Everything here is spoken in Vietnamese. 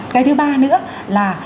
cái thứ ba nữa là